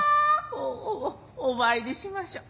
オウお詣りしましょう。